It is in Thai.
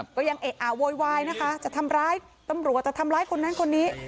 ก็ยังเอะอะโวยวายนะคะจะทำร้ายตำรวจจะทำร้ายคนนั้นคนนี้